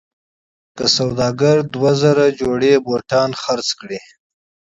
که پانګوال دوه زره جوړې بوټان وپلوري